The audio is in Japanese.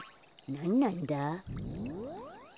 なんなんだ？